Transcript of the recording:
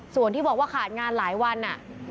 ส่วนที่บอกว่าขาดงานหลายวัน